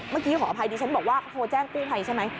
เมื่อกี้ขออภัยดีฉันบอกว่าเขาโทรแจ้งตู้ไฟใช่ไหม